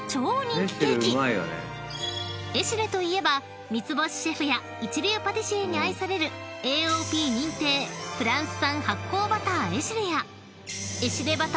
［エシレといえば三つ星シェフや一流パティシエに愛されるＡ．Ｏ．Ｐ．認定フランス産発酵バターエシレや］